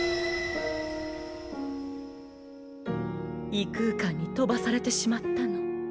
異空間に飛ばされてしまったの。